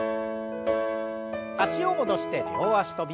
脚を戻して両脚跳び。